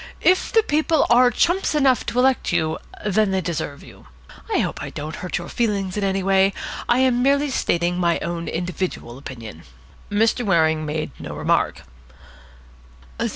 If the People are chumps enough to elect you, then they deserve you. I hope I don't hurt your feelings in any way. I am merely stating my own individual opinion." Mr. Waring made no remark.